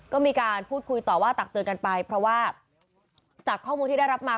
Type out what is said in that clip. ก็มีการพูดคุยต่อว่าตักเตือนกันไปเพราะว่าจากข้อมูลที่ได้รับมา